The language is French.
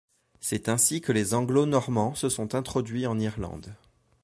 C'est ainsi que les anglo-normands se sont introduits en Irlande.